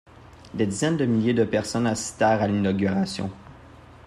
Des dizaines de milliers de personnes assistèrent à l'inauguration.